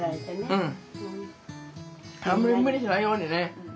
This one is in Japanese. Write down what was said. うん。